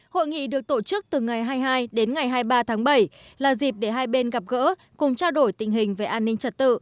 hội nghị được tổ chức từ ngày hai mươi hai đến ngày hai mươi ba tháng bảy là dịp để hai bên gặp gỡ cùng trao đổi tình hình về an ninh trật tự